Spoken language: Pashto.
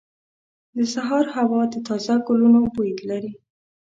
• د سهار هوا د تازه ګلونو بوی لري.